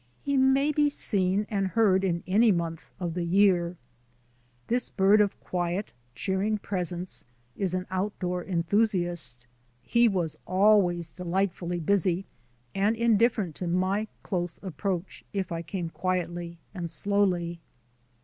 He may be seen and heard in any month of the year. This bird of quiet, cheering presence is an outdoor enthusiast. He was always delightfully busy, and indifferent to my close approach if I came quietly and slowly.